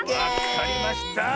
わかりました！